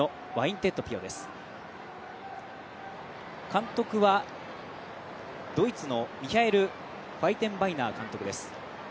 監督はドイツのミヒャエル・ファイテンバイナー監督です。